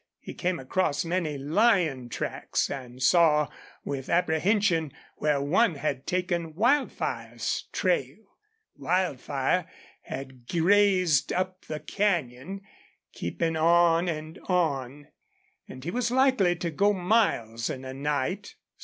He came across many lion tracks and saw, with apprehension, where one had taken Wildfire's trail. Wildfire had grazed up the canyon, keeping on and on, and he was likely to go miles in a night.